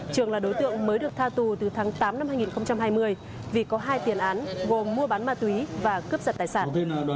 trường là đối tượng mới được tha tù từ tháng tám năm hai nghìn hai mươi vì có hai tiền án gồm mua bán ma túy và cướp giật tài sản